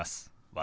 「私」。